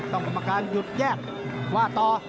กรรมการหยุดแยกว่าต่อ